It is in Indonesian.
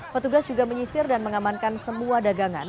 petugas juga menyisir dan mengamankan semua dagangan